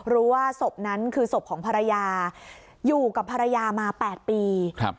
คือเขารู้สบของภรรยาอยู่กับภรรยามา๘ปี